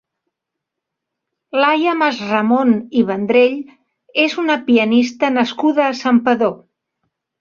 Laia Masramon i Vendrell és una pianista nascuda a Santpedor.